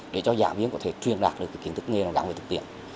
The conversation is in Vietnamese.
để cho giảng viên có thể truyền đạt được cái kiến thức nghề nào gắn về thực tiện